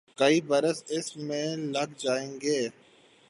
کئی برس اس میں لگ جائیں گے۔